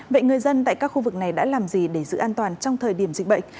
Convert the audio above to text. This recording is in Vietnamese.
vậy người dân tại các khu vực này đã làm gì để giữ an toàn trong thời điểm dịch bệnh